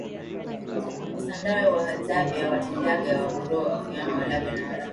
Wasandawe Wahadzabe Watindiga Wagorowa Wafiome Waalagwa na Warangi